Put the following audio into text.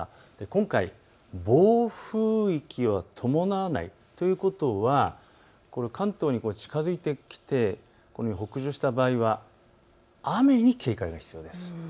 今回、暴風域は伴わないということは関東に近づいてきて北上した場合は雨に警戒が必要です。